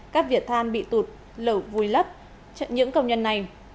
các vỉa than bị tụt lẩu vùi lấp những công nhân này